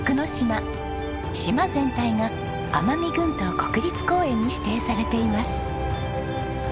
島全体が奄美群島国立公園に指定されています。